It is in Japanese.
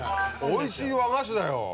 おいしい和菓子だよ。